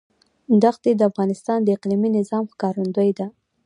ښتې د افغانستان د اقلیمي نظام ښکارندوی ده.